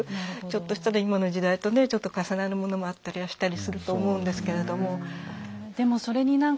ひょっとしたら今の時代とねちょっと重なるものもあったりはしたりすると思うんですけれども。